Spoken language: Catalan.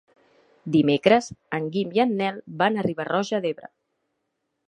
Dimecres en Guim i en Nel van a Riba-roja d'Ebre.